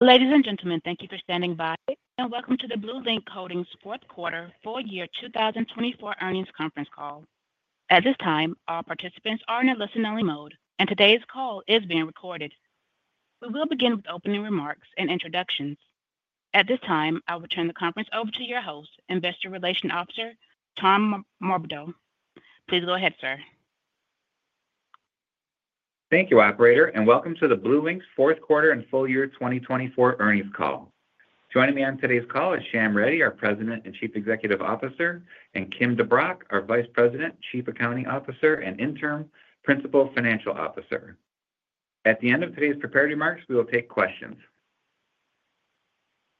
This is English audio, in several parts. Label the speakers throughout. Speaker 1: Ladies and gentlemen, thank you for standing by, and welcome to the BlueLinx Holdings fourth quarter full year 2024 Earnings Conference Call. At this time, all participants are in a listen-only mode, and today's call is being recorded. We will begin with opening remarks and introductions. At this time, I will turn the conference over to your host, Investor Relations Officer Tom Morabito. Please go ahead, sir.
Speaker 2: Thank you, Operator, and welcome to the BlueLinx fourth quarter and full year 2024 Earnings Call. Joining me on today's call is Shyam Reddy, our President and Chief Executive Officer, and Kim DeBrock, our Vice President, Chief Accounting Officer, and Interim Principal Financial Officer. At the end of today's prepared remarks, we will take questions.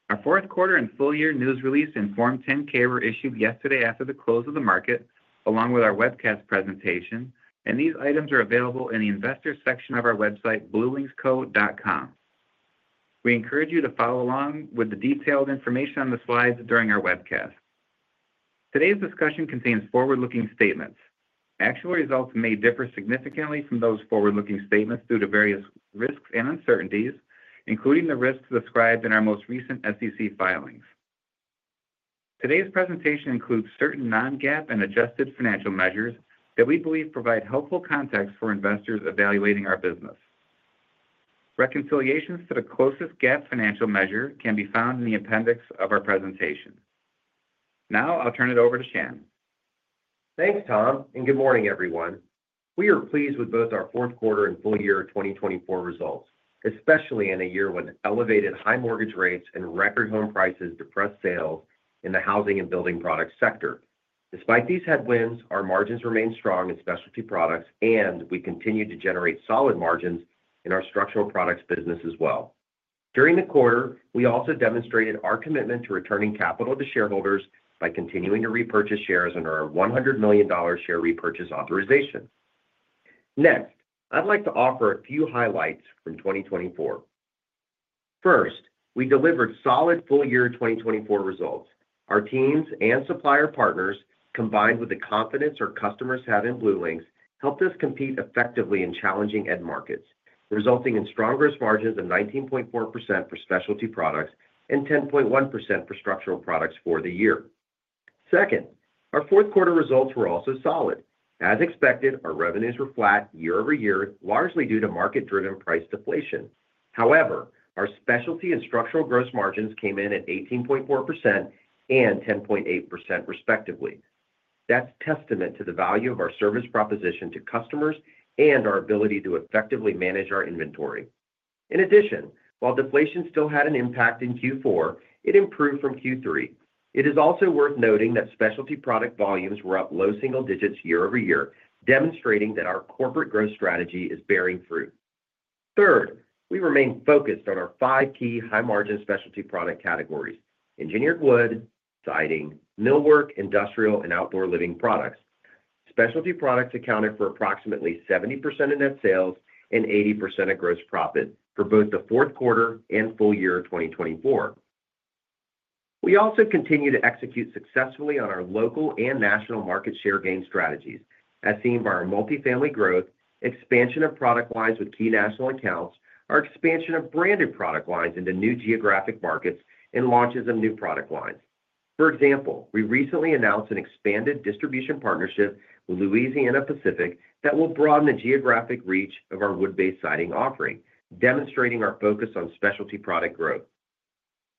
Speaker 2: Our fourth quarter and full year News Release and Form 10-K were issued yesterday after the close of the market, along with our webcast presentation, and these items are available in the Investor section of our website, BlueLinxCo.com. We encourage you to follow along with the detailed information on the slides during our webcast. Today's discussion contains forward-looking statements. Actual results may differ significantly from those forward-looking statements due to various risks and uncertainties, including the risks described in our most recent SEC filings. Today's presentation includes certain non-GAAP and adjusted financial measures that we believe provide helpful context for investors evaluating our business. Reconciliations to the closest GAAP financial measure can be found in the appendix of our presentation. Now, I'll turn it over to Shyam.
Speaker 3: Thanks, Tom, and good morning, everyone. We are pleased with both our fourth quarter and full year 2024 results, especially in a year when elevated high mortgage rates and record home prices depressed sales in the housing and building products sector. Despite these headwinds, our margins remain strong in Specialty products, and we continue to generate solid margins in our Structural products business as well. During the quarter, we also demonstrated our commitment to returning capital to shareholders by continuing to repurchase shares under our $100 million share repurchase authorization. Next, I'd like to offer a few highlights from 2024. First, we delivered solid full year 2024 results. Our teams and supplier partners, combined with the confidence our customers have in BlueLinx, helped us compete effectively in challenging end markets, resulting in strong gross margins of 19.4% for Specialty products and 10.1% for Structural products for the year. Second, our fourth quarter results were also solid. As expected, our revenues were flat year-over-year, largely due to market-driven price deflation. However, our Specialty and Structural gross margins came in at 18.4% and 10.8%, respectively. That's a testament to the value of our service proposition to customers and our ability to effectively manage our inventory. In addition, while deflation still had an impact in Q4, it improved from Q3. It is also worth noting that Specialty product volumes were up low single digits year-over-year, demonstrating that our corporate growth strategy is bearing fruit. Third, we remained focused on our five key high-margin Specialty product categories: engineered wood, siding, millwork, industrial, and outdoor living products. Specialty product accounted for approximately 70% of net sales and 80% of gross profit for both the fourth quarter and full year 2024. We also continue to execute successfully on our local and national market share gain strategies, as seen by our multi-family growth, expansion of product lines with key national accounts, our expansion of branded product lines into new geographic markets, and launches of new product lines. For example, we recently announced an expanded distribution partnership with Louisiana-Pacific that will broaden the geographic reach of our wood-based siding offering, demonstrating our focus on Specialty product growth.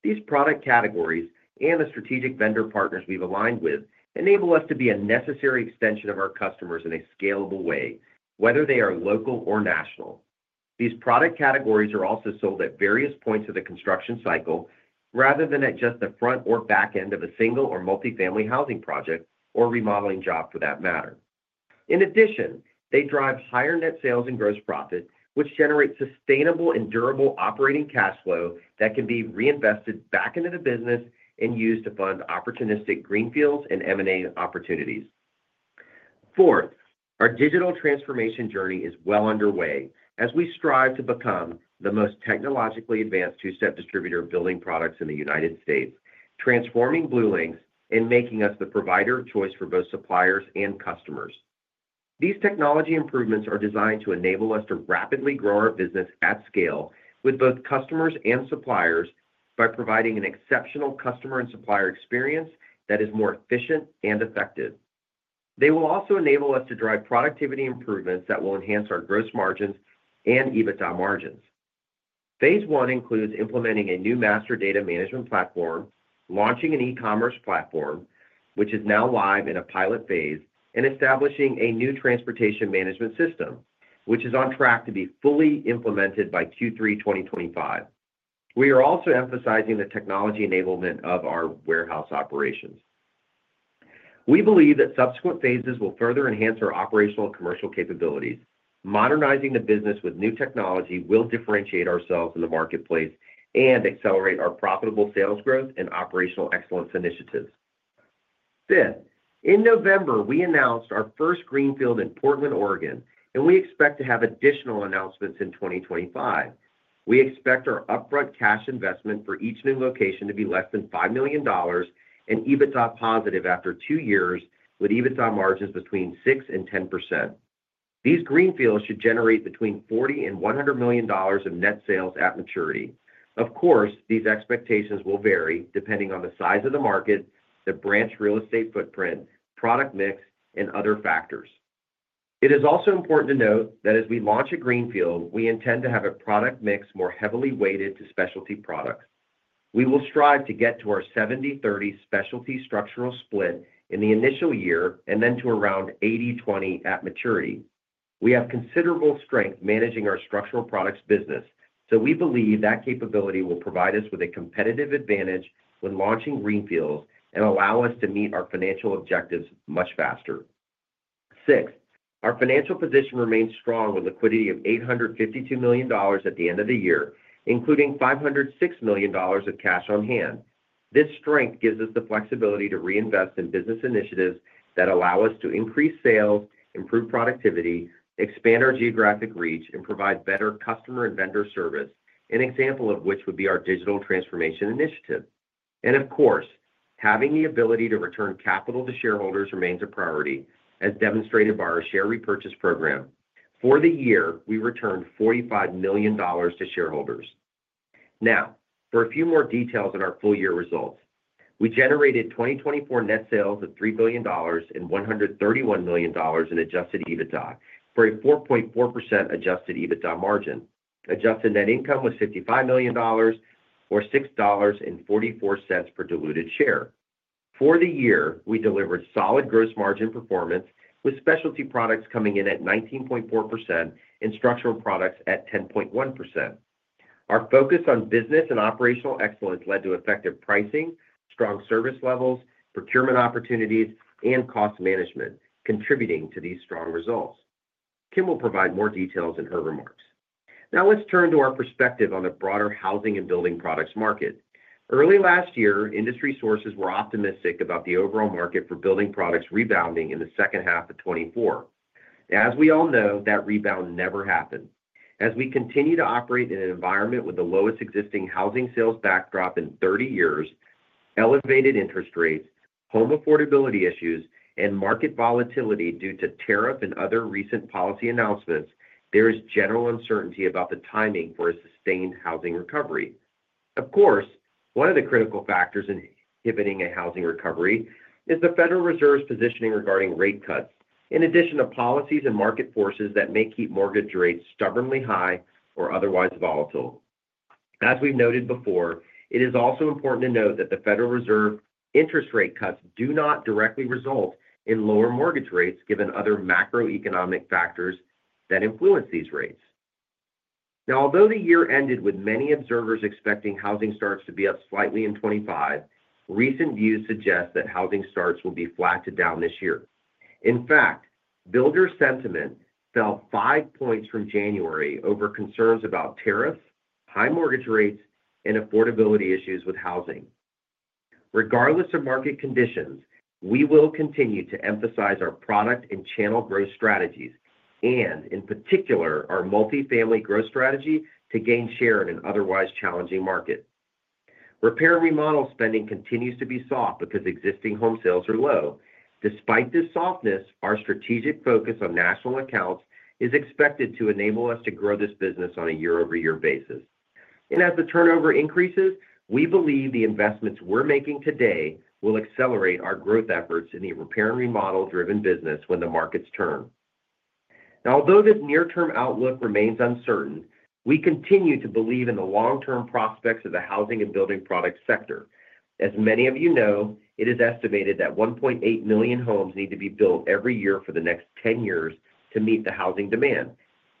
Speaker 3: These product categories and the strategic vendor partners we've aligned with enable us to be a necessary extension of our customers in a scalable way, whether they are local or national. These product categories are also sold at various points of the construction cycle, rather than at just the front or back end of a single or multi-family housing project or remodeling job for that matter. In addition, they drive higher net sales and gross profit, which generates sustainable and durable operating cash flow that can be reinvested back into the business and used to fund opportunistic greenfields and M&A opportunities. Fourth, our digital transformation journey is well underway as we strive to become the most technologically advanced two-step distributor of building products in the United States, transforming BlueLinx and making us the provider of choice for both suppliers and customers. These technology improvements are designed to enable us to rapidly grow our business at scale with both customers and suppliers by providing an exceptional customer and supplier experience that is more efficient and effective. They will also enable us to drive productivity improvements that will enhance our gross margins and EBITDA margins. Phase I includes implementing a new master data management platform, launching an e-commerce platform, which is now live in a pilot phase, and establishing a new transportation management system, which is on track to be fully implemented by Q3 2025. We are also emphasizing the technology enablement of our warehouse operations. We believe that subsequent phases will further enhance our operational and commercial capabilities. Modernizing the business with new technology will differentiate ourselves in the marketplace and accelerate our profitable sales growth and operational excellence initiatives. Fifth, in November, we announced our first greenfield in Portland, Oregon, and we expect to have additional announcements in 2025. We expect our upfront cash investment for each new location to be less than $5 million and EBITDA positive after two years, with EBITDA margins between 6% and 10%. These greenfields should generate between $40 million and $100 million of net sales at maturity. Of course, these expectations will vary depending on the size of the market, the branch real estate footprint, product mix, and other factors. It is also important to note that as we launch a greenfield, we intend to have a product mix more heavily weighted to Specialty products. We will strive to get to our 70/30 Specialty/Structural split in the initial year and then to around 80/20 at maturity. We have considerable strength managing our Structural products business, so we believe that capability will provide us with a competitive advantage when launching greenfields and allow us to meet our financial objectives much faster. Sixth, our financial position remains strong with liquidity of $852 million at the end of the year, including $506 million of cash on hand. This strength gives us the flexibility to reinvest in business initiatives that allow us to increase sales, improve productivity, expand our geographic reach, and provide better customer and vendor service, an example of which would be our digital transformation initiative, and of course, having the ability to return capital to shareholders remains a priority, as demonstrated by our share repurchase program. For the year, we returned $45 million to shareholders. Now, for a few more details on our full-year results, we generated 2024 net sales of $3 billion and $131 million in Adjusted EBITDA for a 4.4% Adjusted EBITDA margin. Adjusted net income was $55 million, or $6.44 per diluted share. For the year, we delivered solid gross margin performance, with Specialty products coming in at 19.4% and Structural products at 10.1%. Our focus on business and operational excellence led to effective pricing, strong service levels, procurement opportunities, and cost management, contributing to these strong results. Kim will provide more details in her remarks. Now, let's turn to our perspective on the broader housing and building products market. Early last year, industry sources were optimistic about the overall market for building products rebounding in the second half of 2024. As we all know, that rebound never happened. As we continue to operate in an environment with the lowest existing housing sales backdrop in 30 years, elevated interest rates, home affordability issues, and market volatility due to tariff and other recent policy announcements, there is general uncertainty about the timing for a sustained housing recovery. Of course, one of the critical factors in inhibiting a housing recovery is the Federal Reserve's positioning regarding rate cuts, in addition to policies and market forces that may keep mortgage rates stubbornly high or otherwise volatile. As we've noted before, it is also important to note that the Federal Reserve interest rate cuts do not directly result in lower mortgage rates, given other macroeconomic factors that influence these rates. Now, although the year ended with many observers expecting housing starts to be up slightly in 2025, recent views suggest that housing starts will be flat to down this year. In fact, builders' sentiment fell five points from January over concerns about tariffs, high mortgage rates, and affordability issues with housing. Regardless of market conditions, we will continue to emphasize our product and channel growth strategies, and in particular, our multi-family growth strategy to gain share in an otherwise challenging market. Repair and remodel spending continues to be soft because existing home sales are low. Despite this softness, our strategic focus on national accounts is expected to enable us to grow this business on a year-over-year basis. And as the turnover increases, we believe the investments we're making today will accelerate our growth efforts in the repair and remodel-driven business when the markets turn. Now, although this near-term outlook remains uncertain, we continue to believe in the long-term prospects of the housing and building products sector. As many of you know, it is estimated that 1.8 million homes need to be built every year for the next 10 years to meet the housing demand,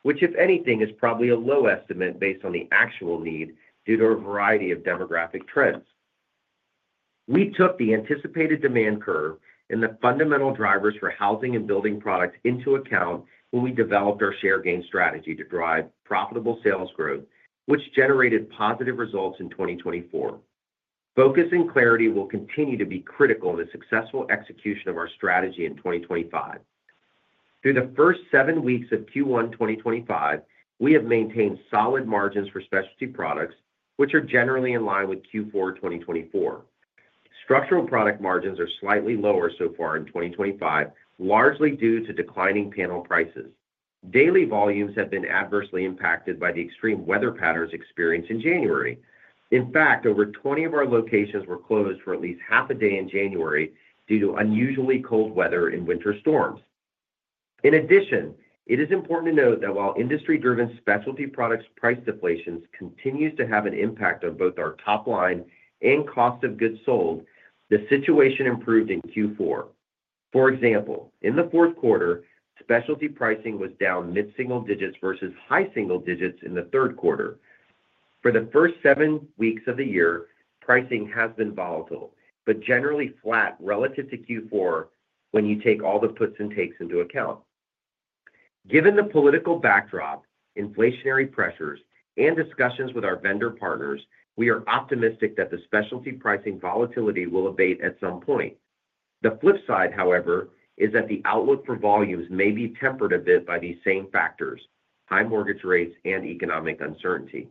Speaker 3: which, if anything, is probably a low estimate based on the actual need due to a variety of demographic trends. We took the anticipated demand curve and the fundamental drivers for housing and building products into account when we developed our share gain strategy to drive profitable sales growth, which generated positive results in 2024. Focus and clarity will continue to be critical in the successful execution of our strategy in 2025. Through the first seven weeks of Q1 2025, we have maintained solid margins for Specialty products, which are generally in line with Q4 2024. Structural product margins are slightly lower so far in 2025, largely due to declining panel prices. Daily volumes have been adversely impacted by the extreme weather patterns experienced in January. In fact, over 20 of our locations were closed for at least half a day in January due to unusually cold weather and winter storms. In addition, it is important to note that while industry-driven Specialty products price deflation continues to have an impact on both our top line and cost of goods sold, the situation improved in Q4. For example, in the fourth quarter, Specialty pricing was down mid-single digits versus high single digits in the third quarter. For the first seven weeks of the year, pricing has been volatile, but generally flat relative to Q4 when you take all the puts and takes into account. Given the political backdrop, inflationary pressures, and discussions with our vendor partners, we are optimistic that the Specialty pricing volatility will abate at some point. The flip side, however, is that the outlook for volumes may be tempered a bit by these same factors: high mortgage rates and economic uncertainty.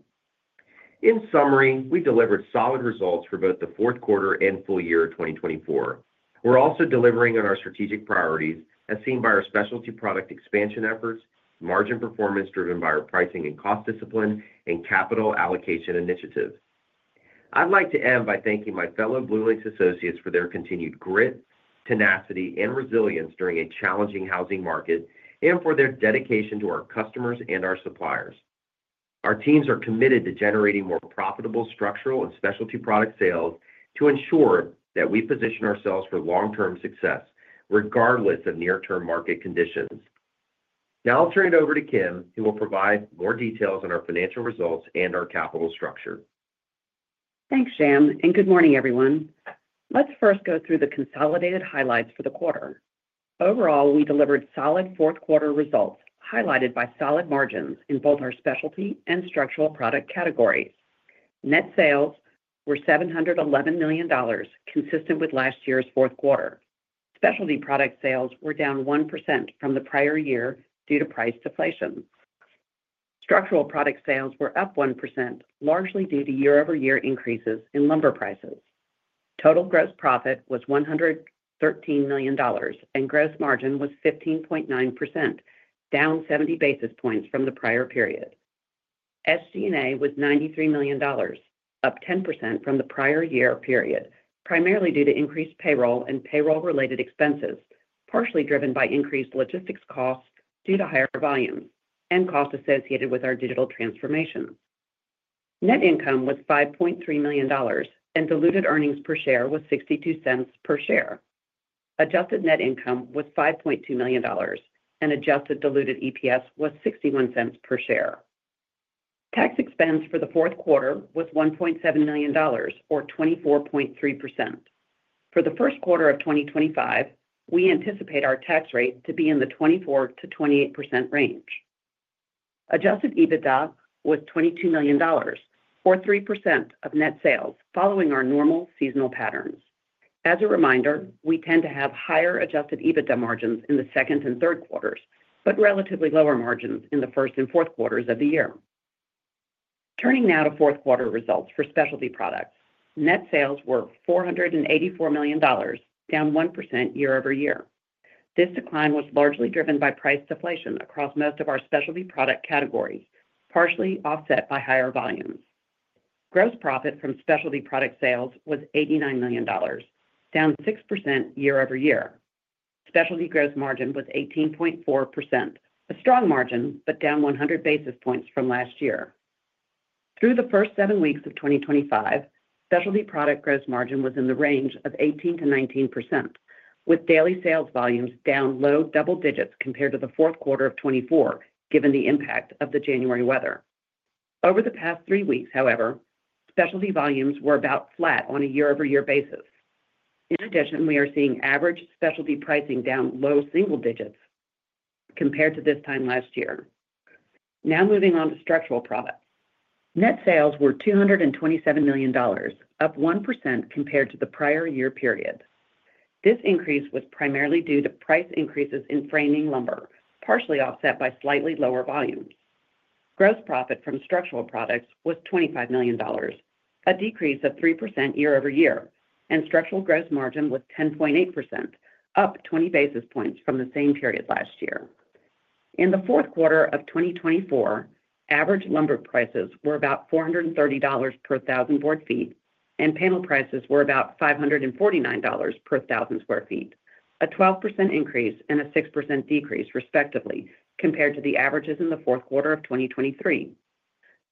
Speaker 3: In summary, we delivered solid results for both the fourth quarter and full year 2024. We're also delivering on our strategic priorities, as seen by our Specialty product expansion efforts, margin performance driven by our pricing and cost discipline, and capital allocation initiatives. I'd like to end by thanking my fellow BlueLinx associates for their continued grit, tenacity, and resilience during a challenging housing market, and for their dedication to our customers and our suppliers. Our teams are committed to generating more profitable Structural and Specialty product sales to ensure that we position ourselves for long-term success, regardless of near-term market conditions. Now, I'll turn it over to Kim, who will provide more details on our financial results and our capital structure.
Speaker 4: Thanks, Shyam, and good morning, everyone. Let's first go through the consolidated highlights for the quarter. Overall, we delivered solid fourth quarter results, highlighted by solid margins in both our Specialty and Structural product categories. Net sales were $711 million, consistent with last year's fourth quarter. Specialty product sales were down 1% from the prior year due to price deflation. Structural product sales were up 1%, largely due to year-over-year increases in lumber prices. Total gross profit was $113 million, and gross margin was 15.9%, down 70 basis points from the prior period. SG&A was $93 million, up 10% from the prior year period, primarily due to increased payroll and payroll-related expenses, partially driven by increased logistics costs due to higher volumes and costs associated with our digital transformation. Net income was $5.3 million, and diluted earnings per share was $0.62 per share. Adjusted net income was $5.2 million, and adjusted diluted EPS was $0.61 per share. Tax expense for the fourth quarter was $1.7 million, or 24.3%. For the first quarter of 2025, we anticipate our tax rate to be in the 24%-28% range. Adjusted EBITDA was $22 million, or 3% of net sales, following our normal seasonal patterns. As a reminder, we tend to have higher adjusted EBITDA margins in the second and third quarters, but relatively lower margins in the First and fourth quarters of the year. Turning now to fourth quarter results for Specialty products, net sales were $484 million, down 1% year-over-year. This decline was largely driven by price deflation across most of our Specialty product categories, partially offset by higher volumes. Gross profit from Specialty product sales was $89 million, down 6% year-over-year. Specialty gross margin was 18.4%, a strong margin, but down 100 basis points from last year. Through the first seven weeks of 2025, Specialty product gross margin was in the range of 18% to 19%, with daily sales volumes down low double digits compared to the fourth quarter of 2024, given the impact of the January weather. Over the past three weeks, however, Specialty volumes were about flat on a year-over-year basis. In addition, we are seeing average Specialty pricing down low single digits compared to this time last year. Now, moving on to Structural products. Net sales were $227 million, up 1% compared to the prior year period. This increase was primarily due to price increases in framing lumber, partially offset by slightly lower volumes. Gross profit from Structural products was $25 million, a decrease of 3% year-over-year, and Structural gross margin was 10.8%, up 20 basis points from the same period last year. In the fourth quarter of 2024, average lumber prices were about $430 per 1,000 board ft, and panel prices were about $549 per 1,000 sq ft, a 12% increase and a 6% decrease, respectively, compared to the averages in the fourth quarter of 2023.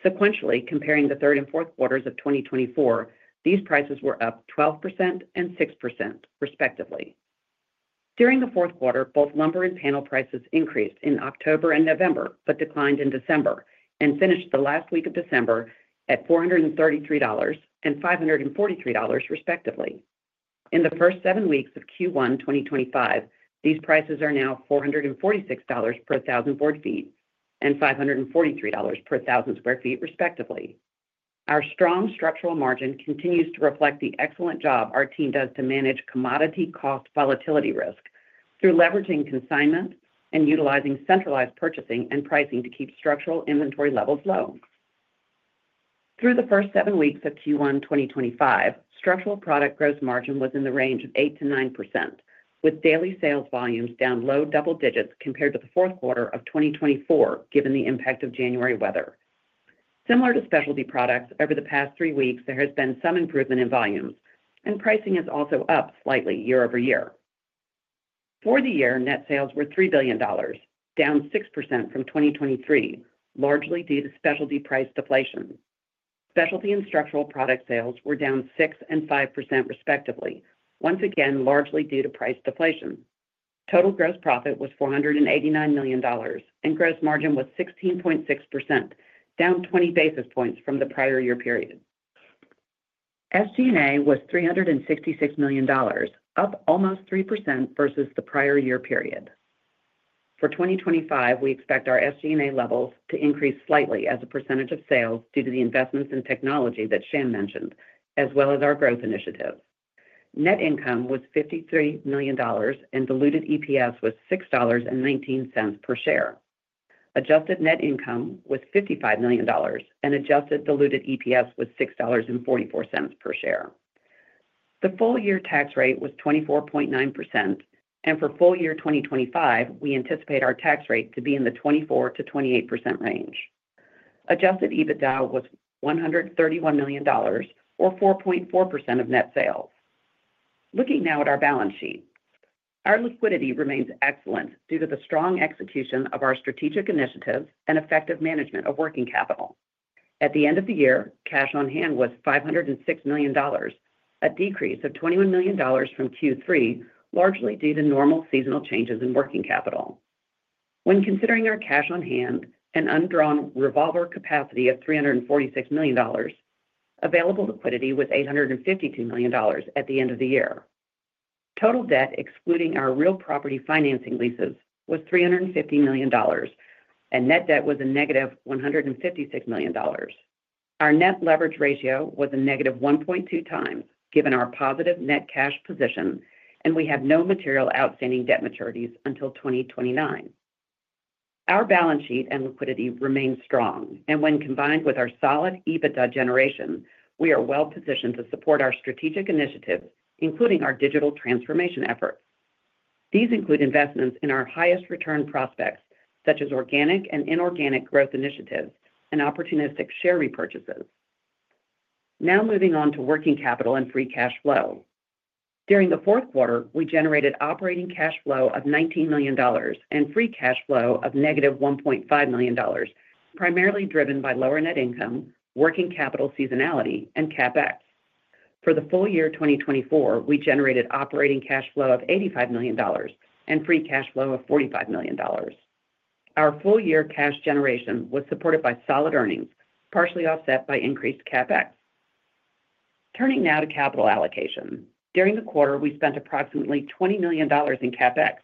Speaker 4: Sequentially, comparing the Third and fourth quarters of 2024, these prices were up 12% and 6%, respectively. During the fourth quarter, both lumber and panel prices increased in October and November, but declined in December, and finished the last week of December at $433 and $543, respectively. In the first seven weeks of Q1 2025, these prices are now $446 per 1,000 board ft and $543 per 1,000 sq ft, respectively. Our strong Structural margin continues to reflect the excellent job our team does to manage commodity cost volatility risk through leveraging consignment and utilizing centralized purchasing and pricing to keep Structural inventory levels low. Through the first seven weeks of Q1 2025, Structural product gross margin was in the range of 8%-9%, with daily sales volumes down low double digits compared to the fourth quarter of 2024, given the impact of January weather. Similar to Specialty products, over the past three weeks, there has been some improvement in volumes, and pricing is also up slightly year-over-year. For the year, net sales were $3 billion, down 6% from 2023, largely due to Specialty price deflation. Specialty and Structural product sales were down 6% and 5%, respectively, once again largely due to price deflation. Total gross profit was $489 million, and gross margin was 16.6%, down 20 basis points from the prior year period. SG&A was $366 million, up almost 3% versus the prior year period. For 2025, we expect our SG&A levels to increase slightly as a percentage of sales due to the investments in technology that Shyam mentioned, as well as our growth initiative. Net income was $53 million, and diluted EPS was $6.19 per share. Adjusted net income was $55 million, and adjusted diluted EPS was $6.44 per share. The full-year tax rate was 24.9%, and for full year 2025, we anticipate our tax rate to be in the 24% to 28% range. Adjusted EBITDA was $131 million, or 4.4% of net sales. Looking now at our balance sheet, our liquidity remains excellent due to the strong execution of our strategic initiatives and effective management of working capital. At the end of the year, cash on hand was $506 million, a decrease of $21 million from Q3, largely due to normal seasonal changes in working capital. When considering our cash on hand and undrawn revolver capacity of $346 million, available liquidity was $852 million at the end of the year. Total debt, excluding our real property financing leases, was $350 million, and net debt was a $-156 million. Our net leverage ratio was a -1.2x, given our positive net cash position, and we have no material outstanding debt maturities until 2029. Our balance sheet and liquidity remain strong, and when combined with our solid EBITDA generation, we are well-positioned to support our strategic initiatives, including our digital transformation efforts. These include investments in our highest return prospects, such as organic and inorganic growth initiatives and opportunistic share repurchases. Now, moving on to working capital and free cash flow. During the fourth quarter, we generated operating cash flow of $19 million and free cash flow of $-1.5 million, primarily driven by lower net income, working capital seasonality, and CapEx. For the full year 2024, we generated operating cash flow of $85 million and free cash flow of $45 million. Our full-year cash generation was supported by solid earnings, partially offset by increased CapEx. Turning now to capital allocation. During the quarter, we spent approximately $20 million in CapEx,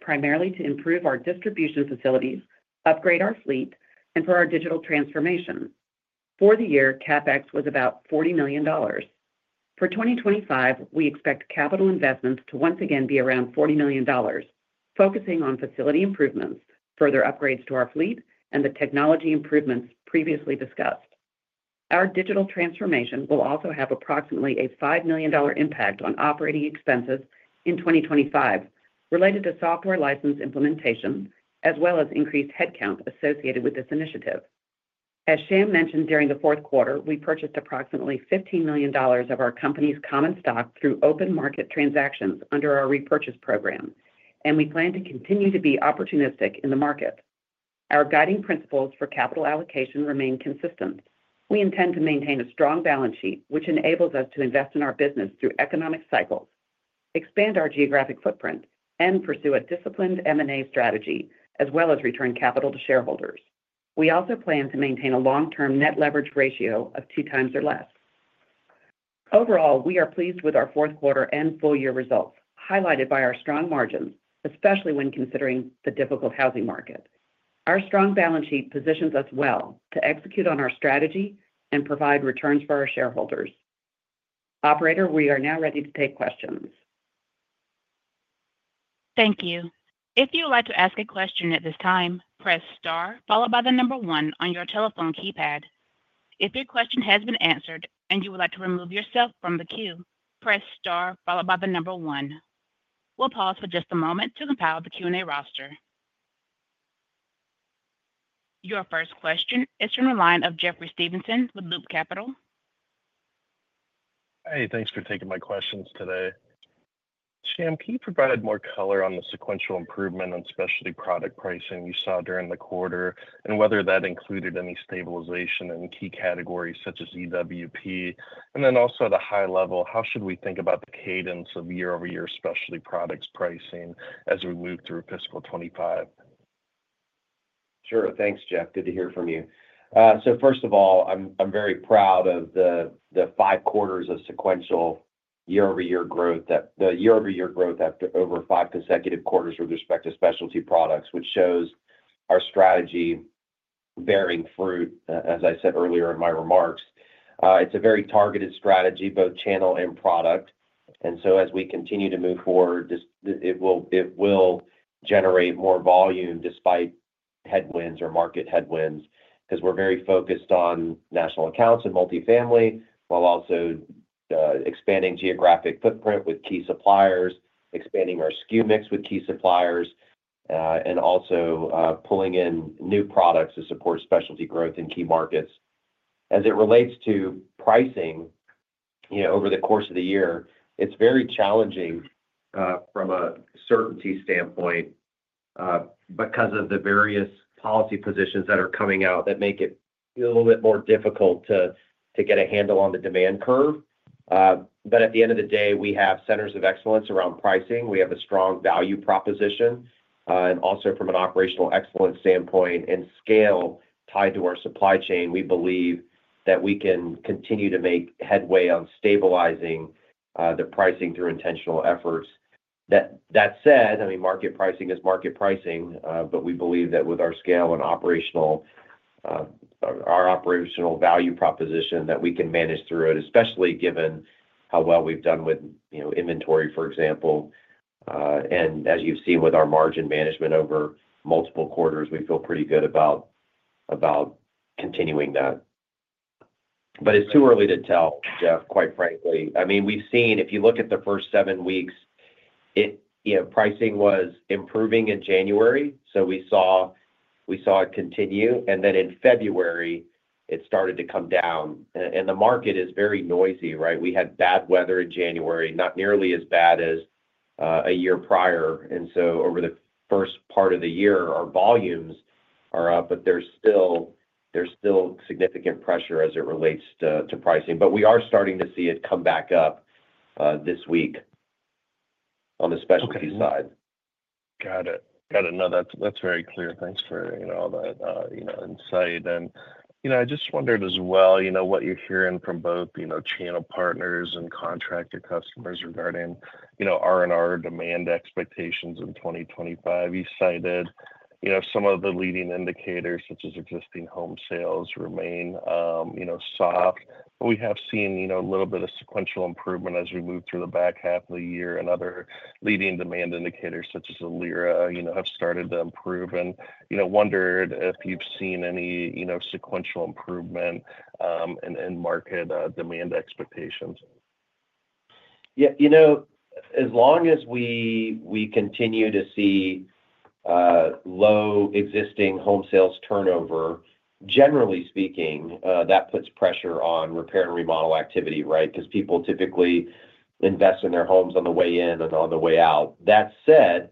Speaker 4: primarily to improve our distribution facilities, upgrade our fleet, and for our digital transformation. For the year, CapEx was about $40 million. For 2025, we expect capital investments to once again be around $40 million, focusing on facility improvements, further upgrades to our fleet, and the technology improvements previously discussed. Our digital transformation will also have approximately a $5 million impact on operating expenses in 2025, related to software license implementation, as well as increased headcount associated with this initiative. As Shyam mentioned, during the fourth quarter, we purchased approximately $15 million of our company's common stock through open market transactions under our repurchase program, and we plan to continue to be opportunistic in the market. Our guiding principles for capital allocation remain consistent. We intend to maintain a strong balance sheet, which enables us to invest in our business through economic cycles, expand our geographic footprint, and pursue a disciplined M&A strategy, as well as return capital to shareholders. We also plan to maintain a long-term net leverage ratio of 2x or less. Overall, we are pleased with our fourth quarter and full year results, highlighted by our strong margins, especially when considering the difficult housing market. Our strong balance sheet positions us well to execute on our strategy and provide returns for our shareholders. Operator, we are now ready to take questions.
Speaker 1: Thank you. If you would like to ask a question at this time, press star, followed by the number one on your telephone keypad. If your question has been answered and you would like to remove yourself from the queue, press star, followed by the number one. We'll pause for just a moment to compile the Q&A roster. Your first question is from the line of Jeffrey Stevenson with Loop Capital.
Speaker 5: Hey, thanks for taking my questions today. Shyam, can you provide more color on the sequential improvement on Specialty product pricing you saw during the quarter, and whether that included any stabilization in key categories such as EWP? And then also at a high level, how should we think about the cadence of year-over-year Specialty products pricing as we move through fiscal 2025?
Speaker 3: Sure. Thanks, Jeff. Good to hear from you. So first of all, I'm very proud of the five quarters of sequential year-over-year growth, the year-over-year growth after over five consecutive quarters with respect to Specialty products, which shows our strategy bearing fruit, as I said earlier in my remarks. It's a very targeted strategy, both channel and product. And so as we continue to move forward, it will generate more volume despite headwinds or market headwinds, because we're very focused on national accounts and multi-family, while also expanding geographic footprint with key suppliers, expanding our SKU mix with key suppliers, and also pulling in new products to support Specialty growth in key markets. As it relates to pricing over the course of the year, it's very challenging from a certainty standpoint because of the various policy positions that are coming out that make it a little bit more difficult to get a handle on the demand curve. But at the end of the day, we have centers of excellence around pricing. We have a strong value proposition. And also from an operational excellence standpoint and scale tied to our supply chain, we believe that we can continue to make headway on stabilizing the pricing through intentional efforts. That said, I mean, market pricing is market pricing, but we believe that with our scale and our operational value proposition, that we can manage through it, especially given how well we've done with inventory, for example. And as you've seen with our margin management over multiple quarters, we feel pretty good about continuing that. But it's too early to tell, Jeff, quite frankly. I mean, we've seen, if you look at the first seven weeks, pricing was improving in January, so we saw it continue. And then in February, it started to come down. And the market is very noisy, right? We had bad weather in January, not nearly as bad as a year prior. And so over the first part of the year, our volumes are up, but there's still significant pressure as it relates to pricing. But we are starting to see it come back up this week on the Specialty side.
Speaker 5: Got it. Got it. No, that's very clear. Thanks for all that insight. And I just wondered as well what you're hearing from both channel partners and contractor customers regarding R&R demand expectations in 2025. You cited some of the leading indicators, such as existing home sales, remain soft, but we have seen a little bit of sequential improvement as we move through the back half of the year, and other leading demand indicators, such as LIRA, have started to improve, and wondered if you've seen any sequential improvement in market demand expectations.
Speaker 3: Yeah. As long as we continue to see low existing home sales turnover, generally speaking, that puts pressure on repair and remodel activity, right? Because people typically invest in their homes on the way in and on the way out. That said,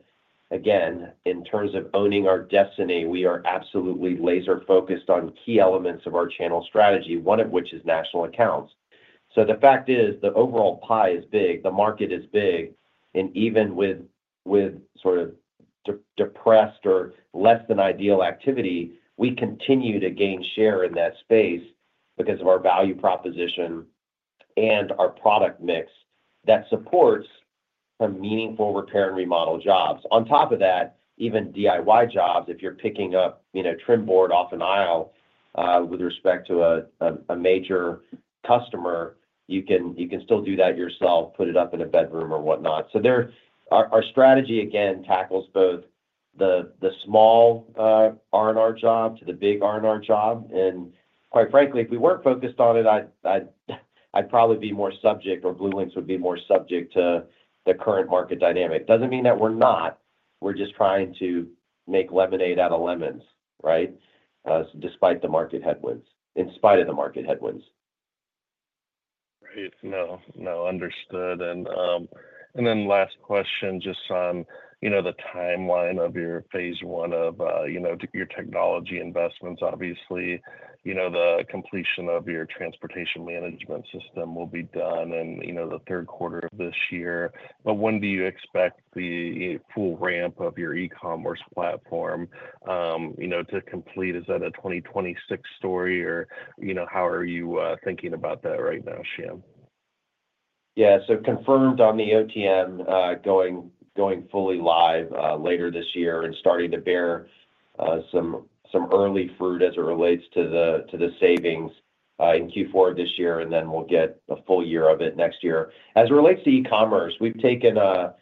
Speaker 3: again, in terms of owning our destiny, we are absolutely laser-focused on key elements of our channel strategy, one of which is national accounts so the fact is, the overall pie is big. The market is big. Even with sort of depressed or less-than-ideal activity, we continue to gain share in that space because of our value proposition and our product mix that supports some meaningful repair and remodel jobs. On top of that, even DIY jobs, if you're picking up trim board off an aisle with respect to a major customer, you can still do that yourself, put it up in a bedroom or whatnot. Our strategy, again, tackles both the small R&R job to the big R&R job. Quite frankly, if we weren't focused on it, I'd probably be more subject or BlueLinx would be more subject to the current market dynamic. Doesn't mean that we're not. We're just trying to make lemonade out of lemons, right? Despite the market headwinds, in spite of the market headwinds.
Speaker 5: Right. No, no. Understood. And then last question, just on the timeline of your phase one of your technology investments. Obviously, the completion of your transportation management system will be done in the third quarter of this year. But when do you expect the full ramp of your e-commerce platform to complete? Is that a 2026 story, or how are you thinking about that right now, Shyam?
Speaker 3: Yeah. So confirmed on the OTM going fully live later this year and starting to bear some early fruit as it relates to the savings in Q4 of this year, and then we'll get a full year of it next year. As it relates to e-commerce, we've taken a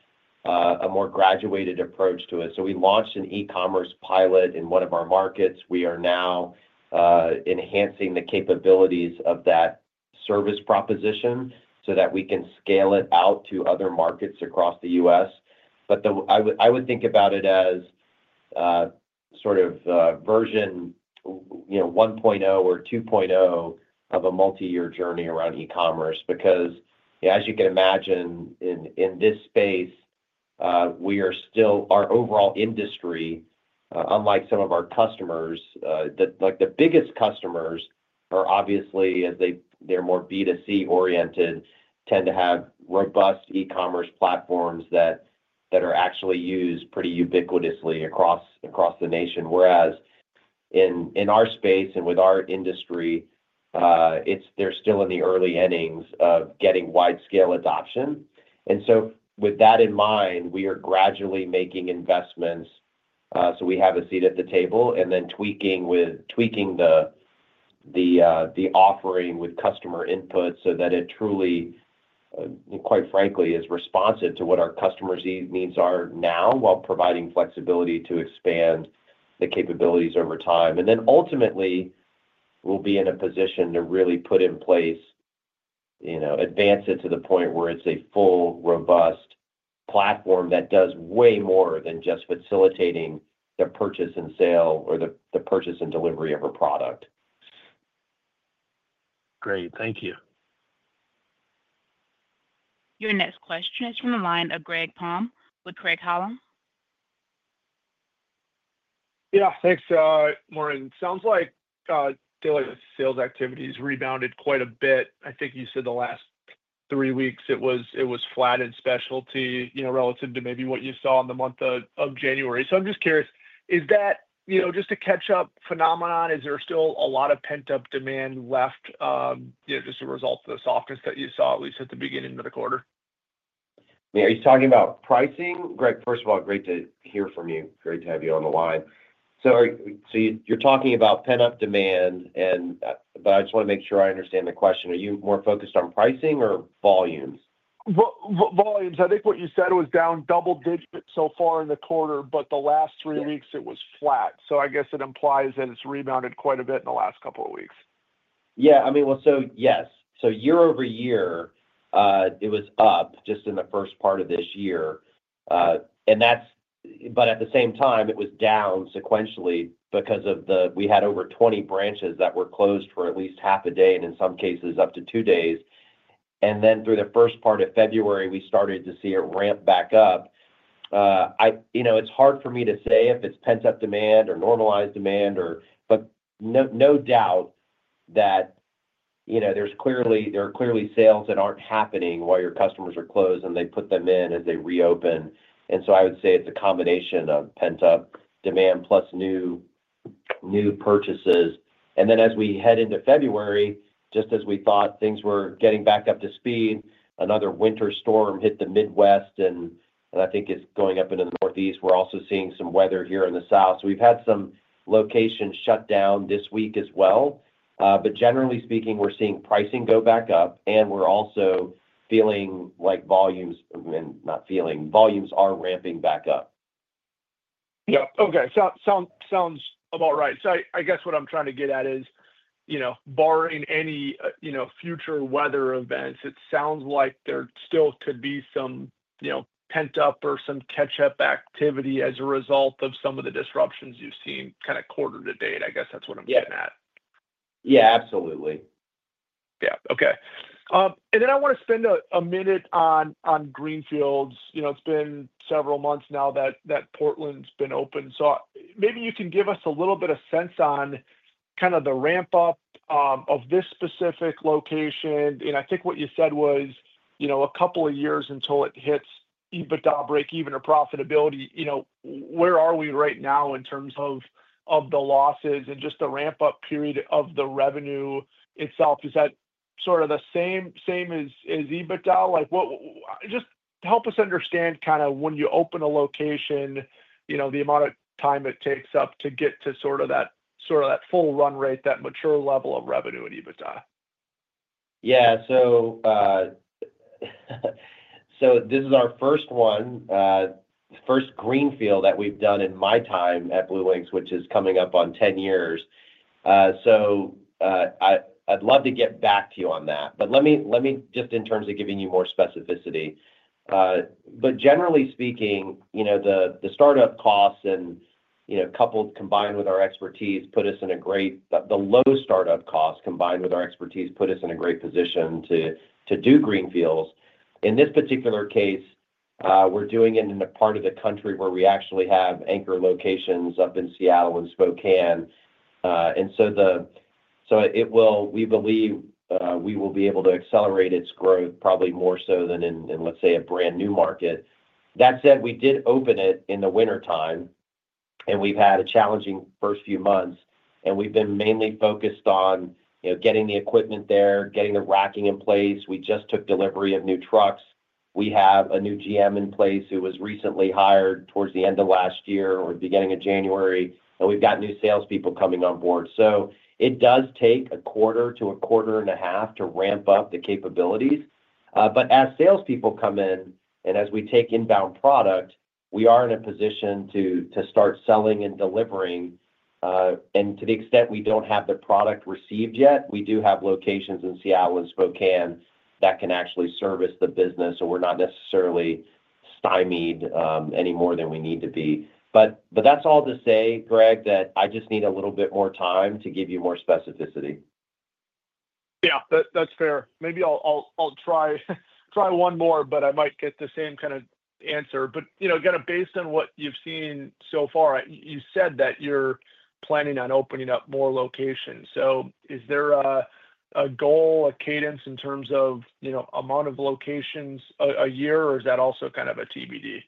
Speaker 3: more graduated approach to it. So we launched an e-commerce pilot in one of our markets. We are now enhancing the capabilities of that service proposition so that we can scale it out to other markets across the U.S. But I would think about it as sort of version 1.0 or 2.0 of a multi-year journey around e-commerce because, as you can imagine, in this space, our overall industry, unlike some of our customers, the biggest customers are obviously, as they're more B2C-oriented, tend to have robust e-commerce platforms that are actually used pretty ubiquitously across the nation. Whereas in our space and with our industry, they're still in the early innings of getting wide-scale adoption. And so with that in mind, we are gradually making investments so we have a seat at the table and then tweaking the offering with customer input so that it truly, quite frankly, is responsive to what our customers' needs are now while providing flexibility to expand the capabilities over time. And then ultimately, we'll be in a position to really put in place, advance it to the point where it's a full, robust platform that does way more than just facilitating the purchase and sale or the purchase and delivery of a product.
Speaker 5: Great. Thank you.
Speaker 1: Your next question is from the line of Greg Palm with Craig-Hallum.
Speaker 6: Yeah. Thanks, Shyam. It sounds like sales activities rebounded quite a bit. I think you said the last three weeks it was flat in Specialty relative to maybe what you saw in the month of January. So, I'm just curious. Is that just a catch-up phenomenon? Is there still a lot of pent-up demand left just as a result of the softness that you saw, at least at the beginning of the quarter?
Speaker 3: Are you talking about pricing? Great. First of all, great to hear from you. Great to have you on the line. So, you're talking about pent-up demand, but I just want to make sure I understand the question. Are you more focused on pricing or volumes?
Speaker 6: Volumes. I think what you said was down double-digit so far in the quarter, but the last three weeks, it was flat. So, I guess it implies that it's rebounded quite a bit in the last couple of weeks.
Speaker 3: Yeah. I mean, well, so yes. So, year-over-year, it was up just in the first part of this year. But at the same time, it was down sequentially because we had over 20 branches that were closed for at least half a day and in some cases up to two days. And then through the first part of February, we started to see it ramp back up. It's hard for me to say if it's pent-up demand or normalized demand, but no doubt that there are clearly sales that aren't happening while your customers are closed and they put them in as they reopen. And so I would say it's a combination of pent-up demand plus new purchases. And then as we head into February, just as we thought things were getting back up to speed, another winter storm hit the Midwest, and I think it's going up into the Northeast. We're also seeing some weather here in the South. So we've had some location shutdown this week as well. But generally speaking, we're seeing pricing go back up, and we're also feeling like volumes, not feeling, volumes are ramping back up.
Speaker 6: Yep. Okay. Sounds about right. So I guess what I'm trying to get at is, barring any future weather events, it sounds like there still could be some pent-up or some catch-up activity as a result of some of the disruptions you've seen kind of quarter-to-date. I guess that's what I'm getting at.
Speaker 3: Yeah. Yeah. Absolutely.
Speaker 6: Yeah. Okay. And then I want to spend a minute on greenfields. It's been several months now that Portland's been open. So maybe you can give us a little bit of sense on kind of the ramp-up of this specific location. And I think what you said was a couple of years until it hits EBITDA break-even or profitability. Where are we right now in terms of the losses and just the ramp-up period of the revenue itself? Is that sort of the same as EBITDA? Just help us understand kind of when you open a location, the amount of time it takes up to get to sort of that full run rate, that mature level of revenue at EBITDA.
Speaker 3: Yeah. So this is our first one, the first greenfield that we've done in my time at BlueLinx, which is coming up on 10 years. So I'd love to get back to you on that. But let me just, in terms of giving you more specificity. But generally speaking, the startup costs combined with our expertise put us in a great, the low startup costs combined with our expertise put us in a great position to do greenfields. In this particular case, we're doing it in a part of the country where we actually have anchor locations up in Seattle and Spokane, and so we believe we will be able to accelerate its growth probably more so than in, let's say, a brand new market. That said, we did open it in the wintertime, and we've had a challenging first few months, and we've been mainly focused on getting the equipment there, getting the racking in place. We just took delivery of new trucks. We have a new GM in place who was recently hired towards the end of last year or the beginning of January, and we've got new salespeople coming on board, so it does take a quarter to a quarter and a half to ramp up the capabilities. But as salespeople come in and as we take inbound product, we are in a position to start selling and delivering. And to the extent we don't have the product received yet, we do have locations in Seattle and Spokane that can actually service the business, so we're not necessarily stymied any more than we need to be. But that's all to say, Greg, that I just need a little bit more time to give you more specificity.
Speaker 6: Yeah. That's fair. Maybe I'll try one more, but I might get the same kind of answer. But kind of based on what you've seen so far, you said that you're planning on opening up more locations. So is there a goal, a cadence in terms of amount of locations a year, or is that also kind of a TBD?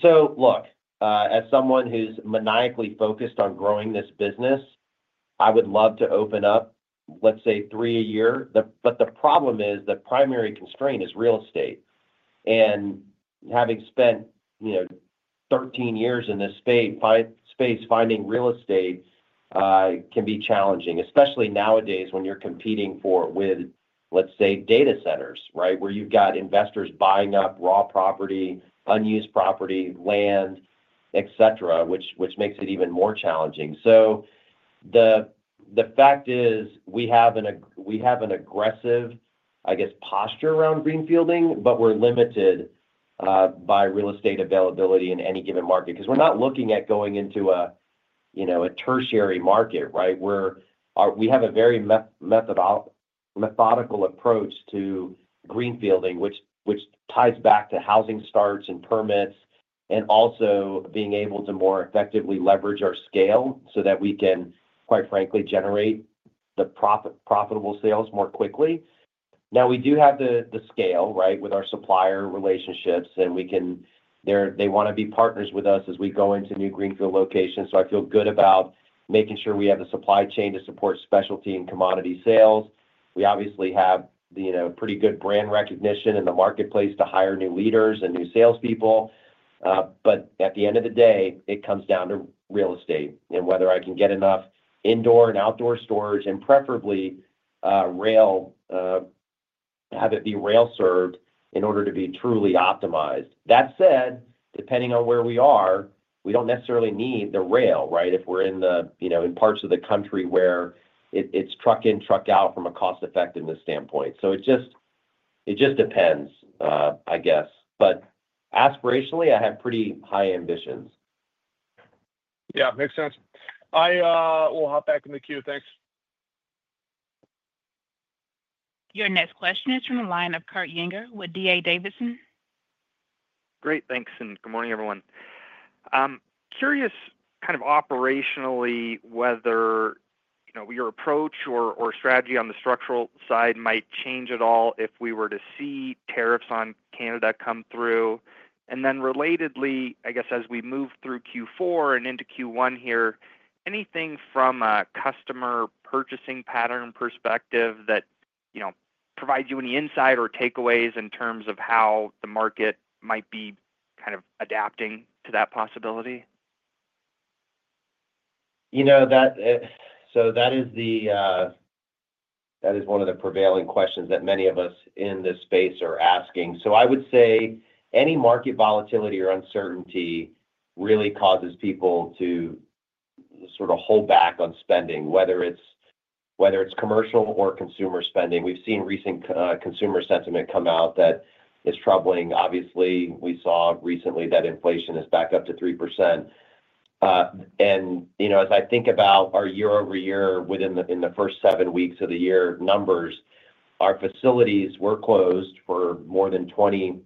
Speaker 3: So look, as someone who's maniacally focused on growing this business, I would love to open up, let's say, three a year. But the problem is the primary constraint is real estate. And having spent 13 years in this space, finding real estate can be challenging, especially nowadays when you're competing with, let's say, data centers, right, where you've got investors buying up raw property, unused property, land, etc., which makes it even more challenging. So the fact is we have an aggressive, I guess, posture around greenfielding, but we're limited by real estate availability in any given market because we're not looking at going into a tertiary market, right? We have a very methodical approach to greenfielding, which ties back to housing starts and permits and also being able to more effectively leverage our scale so that we can, quite frankly, generate the profitable sales more quickly. Now, we do have the scale, right, with our supplier relationships, and they want to be partners with us as we go into new greenfield locations. So I feel good about making sure we have the supply chain to support Specialty and commodity sales. We obviously have pretty good brand recognition in the marketplace to hire new leaders and new salespeople. But at the end of the day, it comes down to real estate and whether I can get enough indoor and outdoor storage and preferably have it be rail-served in order to be truly optimized. That said, depending on where we are, we don't necessarily need the rail, right, if we're in parts of the country where it's truck in, truck out from a cost-effectiveness standpoint. So it just depends, I guess. But aspirationally, I have pretty high ambitions.
Speaker 6: Yeah. Makes sense. I will hop back in the queue. Thanks.
Speaker 1: Your next question is from the line of Kurt Yinger with D.A. Davidson.
Speaker 7: Great. Thanks. And good morning, everyone. Curious kind of operationally whether your approach or strategy on the Structural side might change at all if we were to see tariffs on Canada come through. And then relatedly, I guess as we move through Q4 and into Q1 here, anything from a customer purchasing pattern perspective that provides you any insight or takeaways in terms of how the market might be kind of adapting to that possibility?
Speaker 3: So that is one of the prevailing questions that many of us in this space are asking. So I would say any market volatility or uncertainty really causes people to sort of hold back on spending, whether it's commercial or consumer spending. We've seen recent consumer sentiment come out that is troubling. Obviously, we saw recently that inflation is back up to 3%. And as I think about our year-over-year within the first seven weeks of the year numbers, our facilities were closed for more than 20.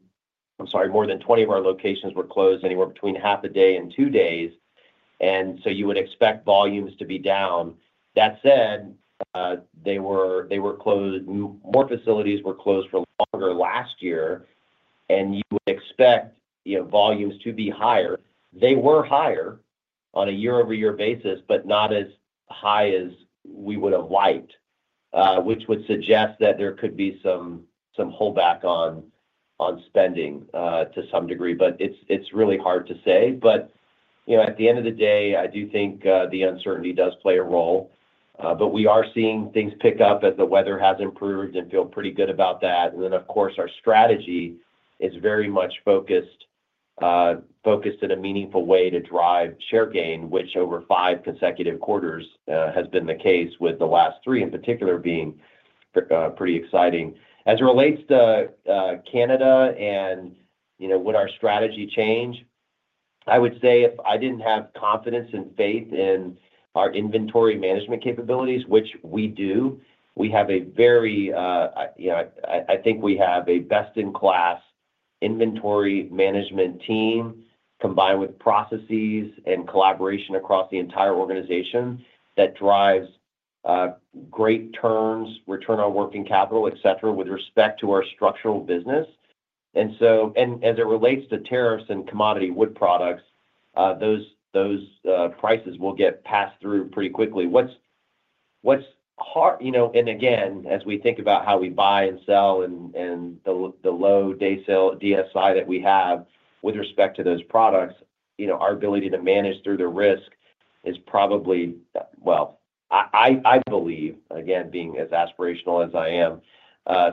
Speaker 3: I'm sorry, more than 20 of our locations were closed anywhere between half a day and two days. And so you would expect volumes to be down. That said, they were closed. More facilities were closed for longer last year, and you would expect volumes to be higher. They were higher on a year-over-year basis, but not as high as we would have liked, which would suggest that there could be some holdback on spending to some degree. But it's really hard to say. But at the end of the day, I do think the uncertainty does play a role. But we are seeing things pick up as the weather has improved, and we feel pretty good about that. And then, of course, our strategy is very much focused in a meaningful way to drive share gain, which over five consecutive quarters has been the case, with the last three in particular being pretty exciting. As it relates to Canada and would our strategy change, I would say if I didn't have confidence and faith in our inventory management capabilities, which we do, we have a very, I think we have a best-in-class inventory management team combined with processes and collaboration across the entire organization that drives great turns, return on working capital, etc., with respect to our Structural business. And as it relates to tariffs and commodity wood products, those prices will get passed through pretty quickly. Again, as we think about how we buy and sell and the low day sale, DSI, that we have with respect to those products, our ability to manage through the risk is probably, well, I believe, again, being as aspirational as I am,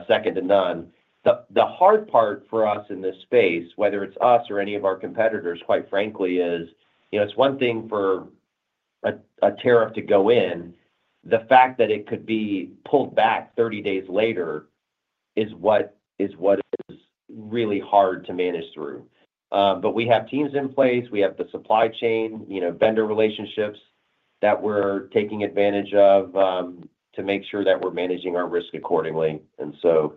Speaker 3: second to none. The hard part for us in this space, whether it's us or any of our competitors, quite frankly, is it's one thing for a tariff to go in. The fact that it could be pulled back 30 days later is what is really hard to manage through. But we have teams in place. We have the supply chain, vendor relationships that we're taking advantage of to make sure that we're managing our risk accordingly. And so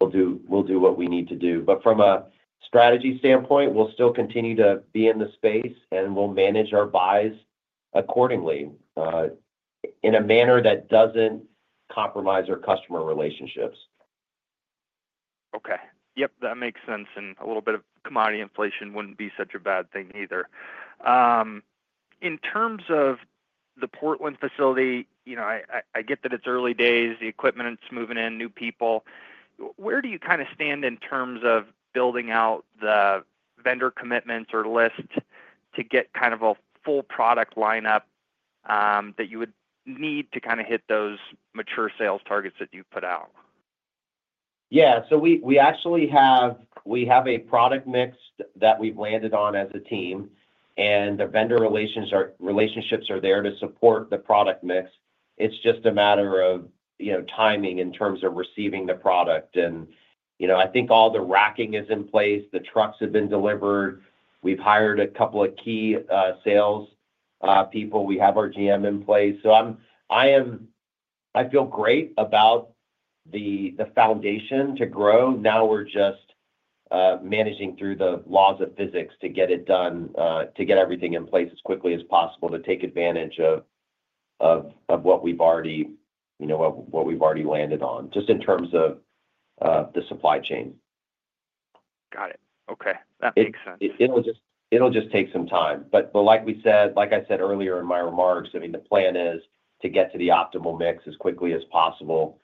Speaker 3: we'll do what we need to do. But from a strategy standpoint, we'll still continue to be in the space, and we'll manage our buys accordingly in a manner that doesn't compromise our customer relationships.
Speaker 7: Okay. Yep. That makes sense. And a little bit of commodity inflation wouldn't be such a bad thing either. In terms of the Portland facility, I get that it's early days, the equipment's moving in, new people. Where do you kind of stand in terms of building out the vendor commitments or list to get kind of a full product lineup that you would need to kind of hit those mature sales targets that you've put out?
Speaker 3: Yeah. So we actually have a product mix that we've landed on as a team, and the vendor relationships are there to support the product mix. It's just a matter of timing in terms of receiving the product. I think all the racking is in place. The trucks have been delivered. We've hired a couple of key sales people. We have our GM in place. So I feel great about the foundation to grow. Now we're just managing through the laws of physics to get it done, to get everything in place as quickly as possible to take advantage of what we've already—what we've already landed on, just in terms of the supply chain.
Speaker 7: Got it. Okay. That makes sense.
Speaker 3: It'll just take some time. But like I said earlier in my remarks, I mean, the plan is to get to the optimal mix as quickly as possible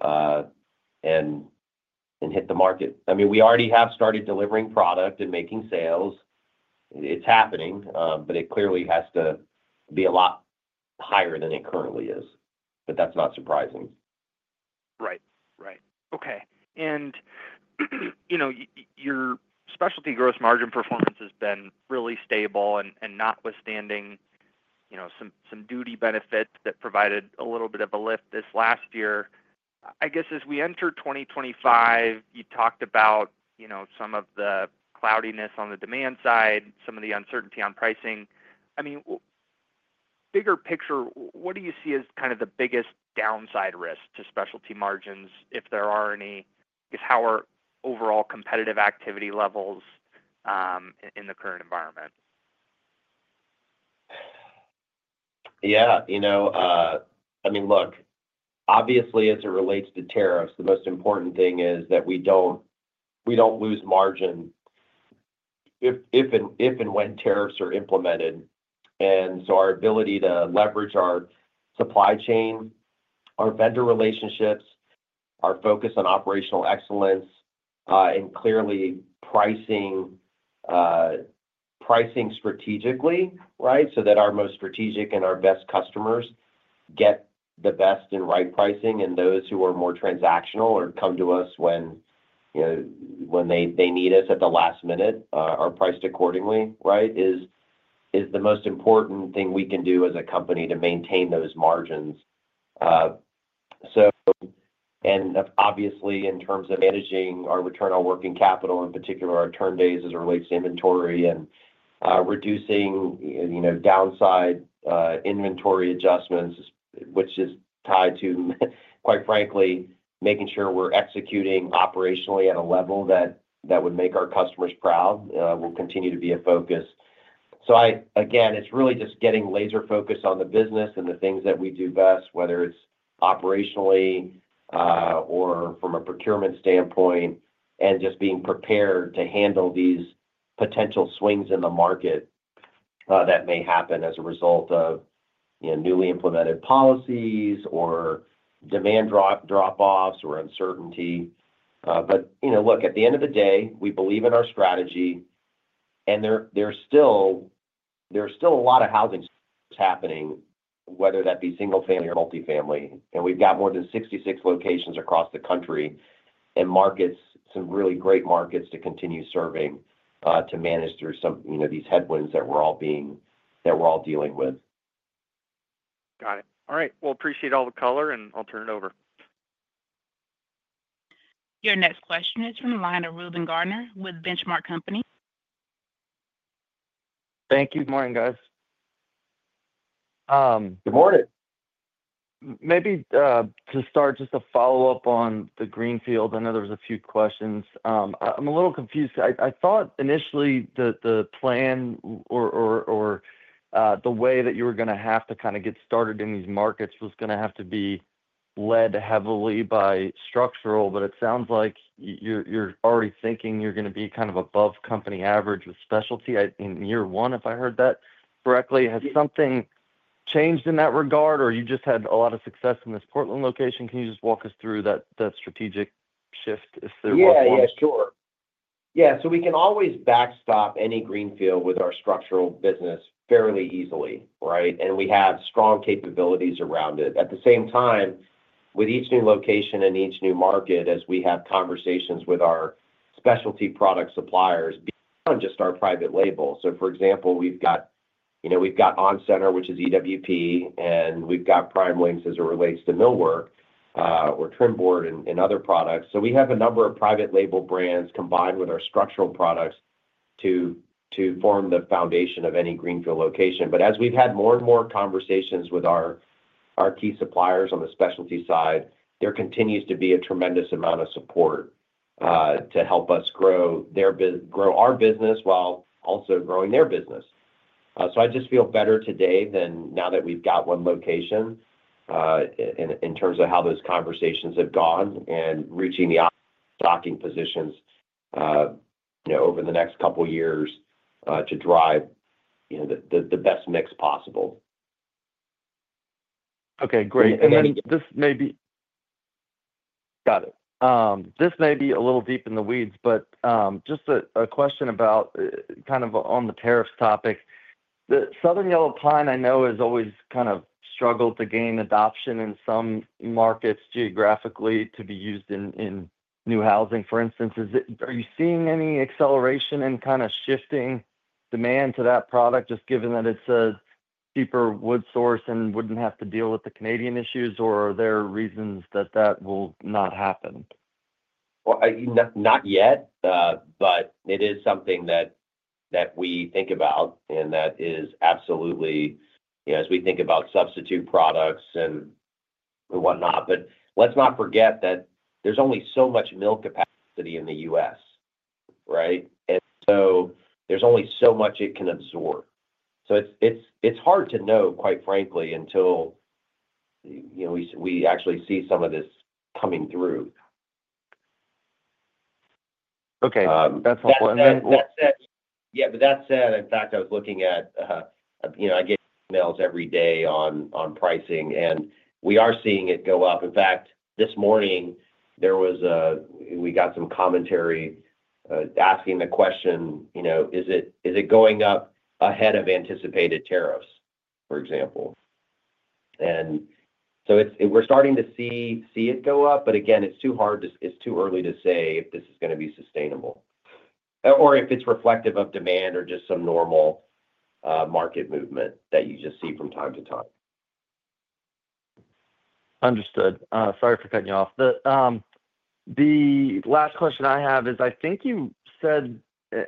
Speaker 3: and hit the market. I mean, we already have started delivering product and making sales. It's happening, but it clearly has to be a lot higher than it currently is. But that's not surprising.
Speaker 7: Right. Right. Okay. And your Specialty gross margin performance has been really stable, and notwithstanding some duty benefits that provided a little bit of a lift this last year. I guess as we enter 2025, you talked about some of the cloudiness on the demand side, some of the uncertainty on pricing. I mean, bigger picture, what do you see as kind of the biggest downside risk to Specialty margins, if there are any? I guess how are overall competitive activity levels in the current environment?
Speaker 3: Yeah. I mean, look, obviously, as it relates to tariffs, the most important thing is that we don't lose margin if and when tariffs are implemented. And so our ability to leverage our supply chain, our vendor relationships, our focus on operational excellence, and clearly pricing strategically, right, so that our most strategic and our best customers get the best and right pricing. Those who are more transactional or come to us when they need us at the last minute are priced accordingly, right. It is the most important thing we can do as a company to maintain those margins. Obviously, in terms of managing our return on working capital, in particular, our turn days as it relates to inventory and reducing downside inventory adjustments, which is tied to, quite frankly, making sure we're executing operationally at a level that would make our customers proud, will continue to be a focus. Again, it's really just getting laser focused on the business and the things that we do best, whether it's operationally or from a procurement standpoint, and just being prepared to handle these potential swings in the market that may happen as a result of newly implemented policies or demand drop-offs or uncertainty. But look, at the end of the day, we believe in our strategy. And there's still a lot of housing happening, whether that be single-family or multi-family. And we've got more than 66 locations across the country and some really great markets to continue serving to manage through some of these headwinds that we're all dealing with.
Speaker 7: Got it. All right. Well, appreciate all the color, and I'll turn it over.
Speaker 1: Your next question is from the line of Reuben Garner with Benchmark Company.
Speaker 8: Thank you. Good morning, guys. Good morning. Maybe to start, just a follow-up on the greenfield. I know there's a few questions. I'm a little confused. I thought initially the plan or the way that you were going to have to kind of get started in these markets was going to have to be led heavily by Structural, but it sounds like you're already thinking you're going to be kind of above company average with Specialty in year one, if I heard that correctly. Has something changed in that regard, or you just had a lot of success in this Portland location? Can you just walk us through that strategic shift if there was one?
Speaker 3: Yeah. Yeah. Sure. Yeah. So we can always backstop any greenfield with our Structural business fairly easily, right? And we have strong capabilities around it. At the same time, with each new location and each new market, as we have conversations with our Specialty product suppliers, beyond just our private label. So for example, we've got onCENTER, which is EWP, and we've got PrimeLinx as it relates to millwork or trim board and other products. So we have a number of private label brands combined with our Structural products to form the foundation of any greenfield location. But as we've had more and more conversations with our key suppliers on the Specialty side, there continues to be a tremendous amount of support to help us grow our business while also growing their business. So I just feel better today than now that we've got one location in terms of how those conversations have gone and reaching the stocking positions over the next couple of years to drive the best mix possible.
Speaker 8: Okay. Great. And then this may be, got it. This may be a little deep in the weeds, but just a question about kind of on the tariffs topic. The Southern Yellow Pine, I know, has always kind of struggled to gain adoption in some markets geographically to be used in new housing, for instance. Are you seeing any acceleration in kind of shifting demand to that product, just given that it's a cheaper wood source and wouldn't have to deal with the Canadian issues, or are there reasons that that will not happen?
Speaker 3: Well, not yet, but it is something that we think about, and that is absolutely as we think about substitute products and whatnot. But let's not forget that there's only so much mill capacity in the U.S., right? And so there's only so much it can absorb. So it's hard to know, quite frankly, until we actually see some of this coming through.
Speaker 8: Okay. That's helpful. And then—
Speaker 3: Yeah, but that said, in fact, I was looking at. I get emails every day on pricing, and we are seeing it go up. In fact, this morning, we got some commentary asking the question, "Is it going up ahead of anticipated tariffs, for example?" And so we're starting to see it go up, but again, it's too hard to. It's too early to say if this is going to be sustainable or if it's reflective of demand or just some normal market movement that you just see from time to time.
Speaker 8: Understood. Sorry for cutting you off. The last question I have is, I think you said,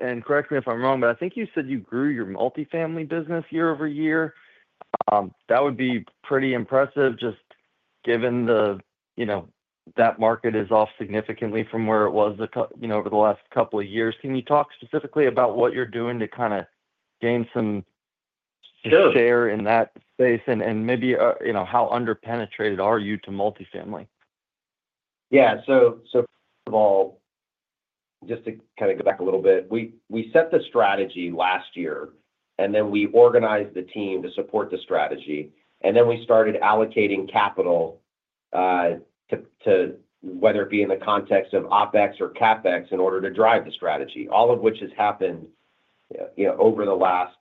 Speaker 8: and correct me if I'm wrong, but I think you said you grew your multi-family business year-over-year. That would be pretty impressive just given that market is off significantly from where it was over the last couple of years. Can you talk specifically about what you're doing to kind of gain some share in that space, and maybe how underpenetrated are you to multi-family?
Speaker 3: Yeah, so first of all, just to kind of go back a little bit, we set the strategy last year, and then we organized the team to support the strategy, and then we started allocating capital to, whether it be in the context of OpEx or CapEx, in order to drive the strategy, all of which has happened over the last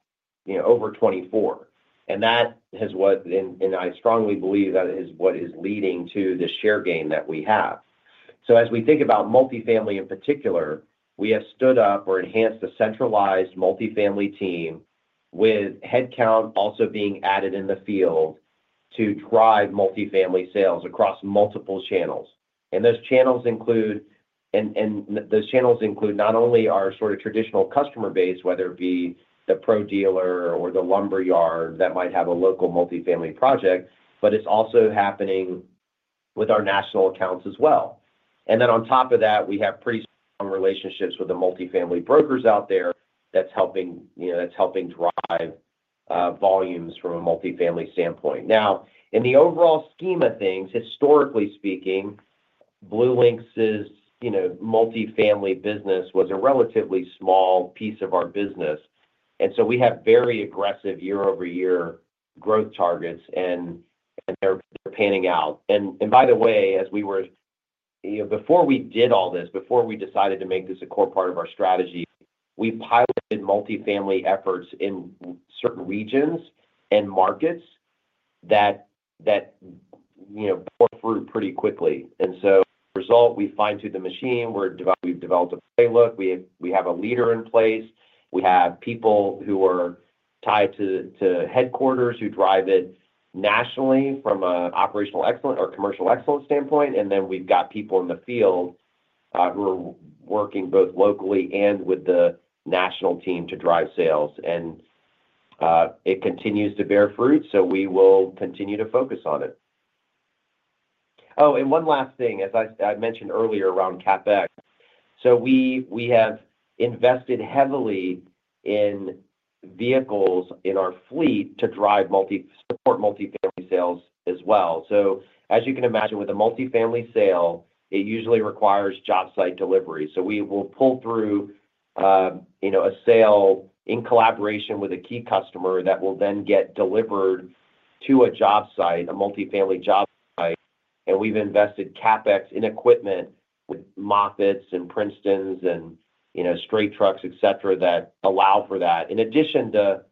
Speaker 3: 24, and I strongly believe that is what is leading to the share gain that we have, so as we think about multi-family in particular, we have stood up or enhanced a centralized multi-family team with headcount also being added in the field to drive multi-family sales across multiple channels. Those channels include not only our sort of traditional customer base, whether it be the pro dealer or the lumberyard that might have a local multi-family project, but it's also happening with our national accounts as well. And then on top of that, we have pretty strong relationships with the multi-family brokers out there that's helping drive volumes from a multi-family standpoint. Now, in the overall scheme of things, historically speaking, BlueLinx's multi-family business was a relatively small piece of our business. And so we have very aggressive year-over-year growth targets, and they're panning out. And by the way, before we did all this, before we decided to make this a core part of our strategy, we piloted multi-family efforts in certain regions and markets that broke through pretty quickly. And so as a result, we fine-tuned the machine. We've developed a playbook. We have a leader in place. We have people who are tied to headquarters who drive it nationally from an operational excellence or commercial excellence standpoint. And then we've got people in the field who are working both locally and with the national team to drive sales. And it continues to bear fruit, so we will continue to focus on it. Oh, and one last thing. As I mentioned earlier around CapEx, so we have invested heavily in vehicles in our fleet to drive support multi-family sales as well. So as you can imagine, with a multi-family sale, it usually requires job site delivery. So we will pull through a sale in collaboration with a key customer that will then get delivered to a job site, a multi-family job site. And we've invested CapEx in equipment with Moffetts and Princetons and straight trucks, etc., that allow for that. In addition to—